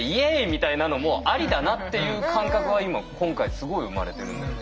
みたいなのもありだなっていう感覚は今今回すごい生まれてるんで。